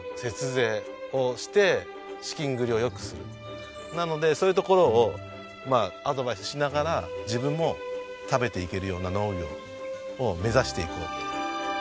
となるとなのでそういうところをアドバイスしながら自分も食べていけるような農業を目指していこうと。